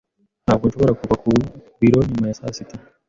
Ntabwo nshobora kuva ku biro nyuma ya saa sita.